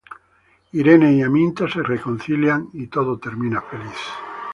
Irene y Aminta se reconcilian y todo termina feliz.